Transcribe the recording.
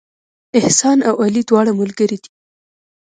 احسان او علي دواړه ملګري دي